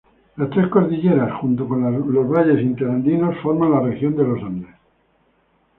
Las tres cordilleras, junto con los valles interandinos forman la Región de los Andes.